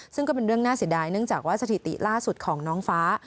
ซึ่งก็เป็นเรื่องน่าเสียดายเนื่องจากว่าสถิติล่าสุดของน้องฟ้า